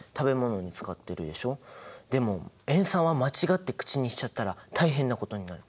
でも塩酸は間違って口にしちゃったら大変なことになる。